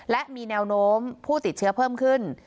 และมีแนวโน้มผู้ติดเชื้อเพิ่มขึ้น